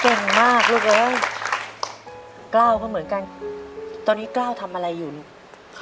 เก่งมากลูกเอ้ยกล้าวก็เหมือนกันตอนนี้กล้าวทำอะไรอยู่ลูก